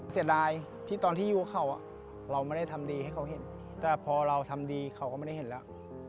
เสียดายที่ตอนที่อยู่กับเขาเราไม่ได้ทำดีให้เขาเห็นแต่พอเราทำดีเขาก็ไม่ได้เห็นแล้ว